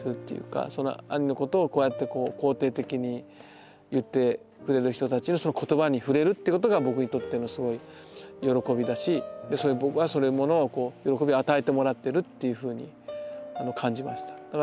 兄のことをこうやって肯定的に言ってくれる人たちのその言葉に触れるっていうことが僕にとってのすごい喜びだし僕はそういうものを喜びを与えてもらってるっていうふうに感じました。